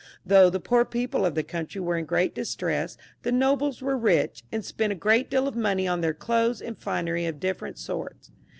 Though the poor people of the country were in great distress, the nobles were rich, and spent a great deal of money on their clothes and finery of different sorts.